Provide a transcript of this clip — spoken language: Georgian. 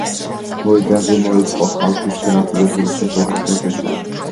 მოედანზე მოეწყო ხალხის გრანდიოზული შეხვედრა მეფესთან.